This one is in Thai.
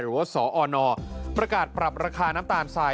หรือว่าสอนประกาศปรับราคาน้ำตาลทราย